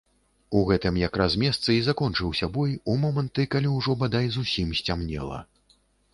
У гэтым якраз месцы і закончыўся бой у моманты, калі ўжо бадай зусім сцямнела.